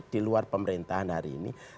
diluar pemerintahan hari ini